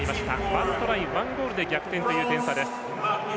１トライ１ゴールで逆転という点差。